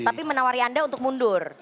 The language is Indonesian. tapi menawari anda untuk mundur